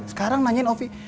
sekarang nanyain sofi